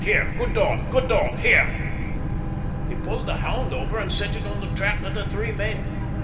Here, good dog, good dog here!" He pulled the hound over and set it on the track of the three men.